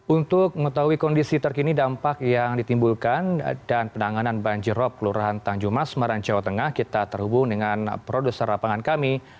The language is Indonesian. untuk mengetahui kondisi terkini dampak yang ditimbulkan dan penanganan banjirop kelurahan tanjung mas semarang jawa tengah kita terhubung dengan produser lapangan kami